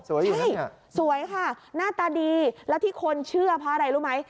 สวยอยู่นะเนี่ยสวยค่ะหน้าตาดีแล้วที่คนเชื่อเพราะอะไรรู้ไหม